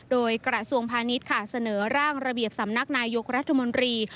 โดยกราศวงศ์พาณิชย์ศนร้างระเบียบสำนักนายยกรัฐมนตรี